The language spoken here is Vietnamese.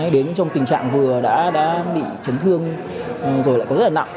đến trong tình trạng vừa đã bị chấn thương rồi lại có rất là nặng